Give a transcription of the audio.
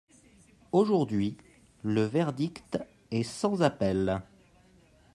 Aujourd’hui, le verdict est sans appel.